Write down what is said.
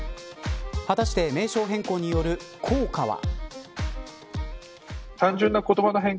果たして、名称変更による効果は。